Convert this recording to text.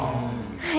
はい。